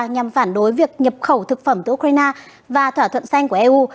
nhằm phản đối việc nhập khẩu thực phẩm từ ukraine và thỏa thuận xanh của eu